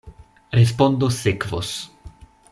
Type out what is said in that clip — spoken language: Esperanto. Respondo sekvos.